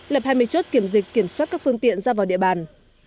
lập hai mươi chốt kiểm dịch kiểm soát các phương tiện ra vào địa bàn